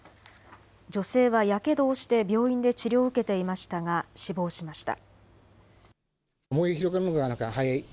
女性はやけどをして病院で治療を受けていましたが死亡しました。